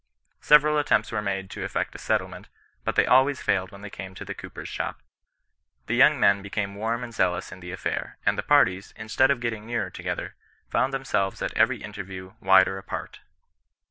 Several attempts were made to effect a settlement, but they always failed when they came to the cooper's shop. The ^c^xjsy^Tassci. 104 CHRISTIAN NON RESISTANCE. became warm and zealous in the affair ; and the parties^ instead of getting nearer together, found themselves at every interview wider apart.